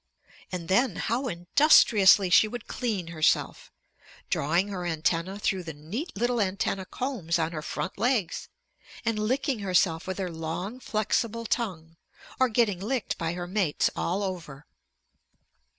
And then how industriously she would clean herself, drawing her antennæ through the neat little antennæ combs on her front legs, and licking herself with her long flexible tongue, or getting licked by her mates all over.